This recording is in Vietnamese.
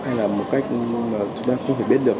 hay là một cách mà chúng ta không thể biết được